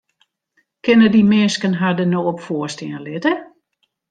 Kinne dy minsken har dêr no op foarstean litte?